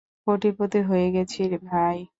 কোটিপতি হয়ে গেছি ভাই!